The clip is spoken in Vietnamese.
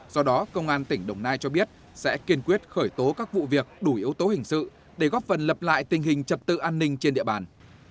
do đó công an tỉnh đồng nai cho biết sẽ kiên quyết khởi tố các vụ việc đủ yếu tố hình sự để góp phần lập lại tình hình trật tự an ninh trên địa bàn